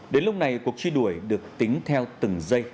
đến lúc này cuộc truy đuổi được tính theo từng giây